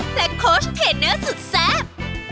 และเคิลช์เทเนื้อสุดแซ่บ